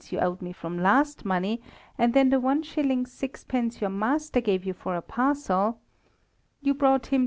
you owed me from last money; and then the 1s. 6d. your master gave you for a parcel you brought him 2d.